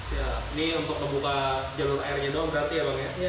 ini untuk membuka jalan airnya dong berarti ya